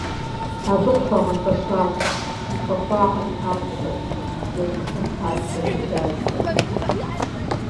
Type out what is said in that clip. Абы къыхуагъэфэщащ «И хахуагъэм папщӏэ», «Дзэ щӏыхьым папщӏэ» медалхэр.